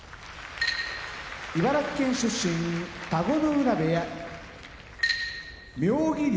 茨城県出身田子ノ浦部屋妙義龍